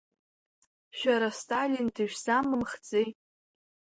Шәара Сталин дышәзамымхӡеит.